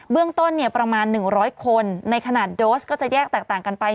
เรื่องต้นประมาณ๑๐๐คนในขนาดโดสก็จะแยกแตกต่างกันไป